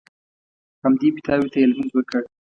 همدې پیتاوي ته یې لمونځ وکړ.